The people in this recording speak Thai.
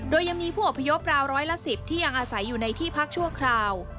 โดยยังมีผู้อพยพราวร้อยละ๑๐ที่ยังอาศัยอยู่ในที่พักชั่วคราว